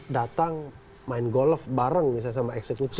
datang main golf bareng misalnya sama eksekutif